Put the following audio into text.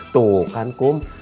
tuh kan kum